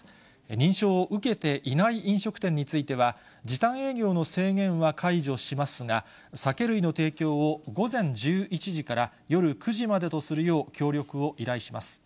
認証を受けていない飲食店については、時短営業の制限は解除しますが、酒類の提供を午前１１時から夜９時までとするよう、協力を依頼します。